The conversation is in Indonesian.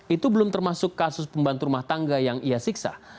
itu belum termasuk kasus pembantu rumah tangga yang ia siksa